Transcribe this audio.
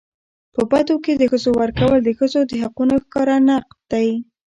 په بدو کي د ښځو ورکول د ښځو د حقونو ښکاره نقض دی.